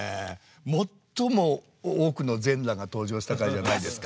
最も多くの全裸が登場した回じゃないですか？